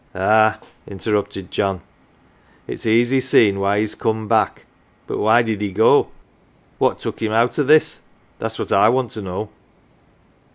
" Ah !" interrupted John, " it's easy seen why he's coined back but why did he go ? what took him out of this ? That's what I want to know."